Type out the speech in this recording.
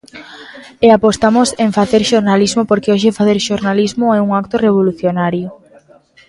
E apostamos en facer xornalismo porque hoxe facer xornalismo é un acto revolucionario.